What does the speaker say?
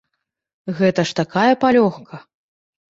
Гэта ж такая палёгка!